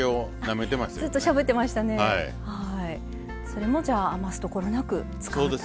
それもじゃあ余すところなく使うと。